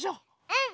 うん！